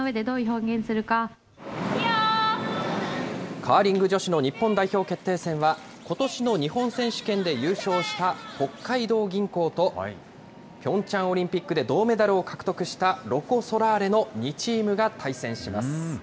カーリング女子の日本代表決定戦は、ことしの日本選手権で優勝した北海道銀行と、ピョンチャンオリンピックで銅メダルを獲得したロコ・ソラーレの２チームが対戦します。